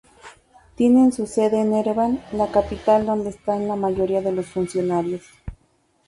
Tienen su sede en Ereván, la capital, donde están la mayoría de los funcionarios.